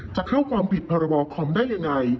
จะเข้าความผิดพรบคอมได้ยังไง